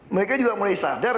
mereka juga mulai sadar